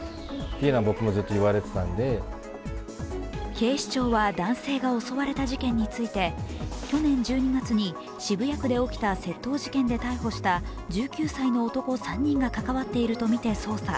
警視庁は男性が襲われた事件について去年１２月に渋谷区で起きた窃盗事件で逮捕した１９歳の男３人が関わっているとみて捜査。